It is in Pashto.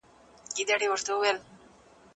که استاد په املا کي د انسانیت او اخلاقو جملې.